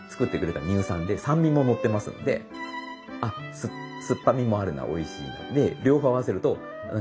あ酸っぱみもあるなおいしい。